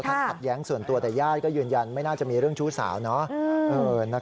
ขัดแย้งส่วนตัวแต่ญาติก็ยืนยันไม่น่าจะมีเรื่องชู้สาวเนาะ